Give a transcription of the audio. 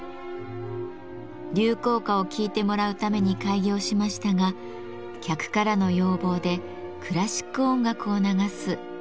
流行歌を聴いてもらうために開業しましたが客からの要望でクラシック音楽を流す名曲喫茶になりました。